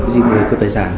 di ngưỡi cướp tài sản